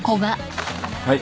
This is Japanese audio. はい。